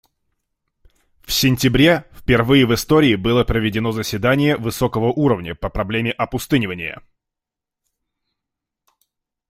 В сентябре впервые в истории было проведено заседание высокого уровня по проблеме опустынивания.